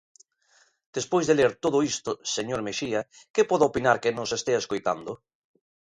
Despois de ler todo isto, señor Mexía, ¿que pode opinar quen nos estea escoitando?